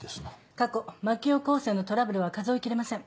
過去槙尾校生のトラブルは数え切れません。